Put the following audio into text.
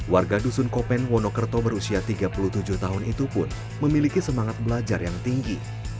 warga dusun kopen wonokerto berusia tiga puluh tujuh tahun itu pun memiliki semangat belajar yang tinggi